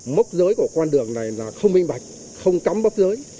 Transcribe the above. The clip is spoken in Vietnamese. mốc giới của con đường này là không bình bạch không cấm bốc giới